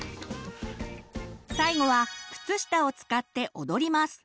最後は靴下を使って踊ります！